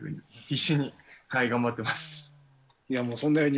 必死に頑張ってます。